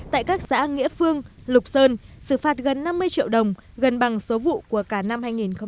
tại các xã nghĩa phương lục sơn xử phạt gần năm mươi triệu đồng gần bằng số vụ của cả năm hai nghìn một mươi tám